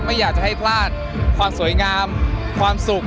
ไม่อยากจะให้พลาดความสวยงามความสุข